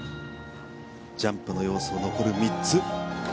ジャンプの要素残る３つ。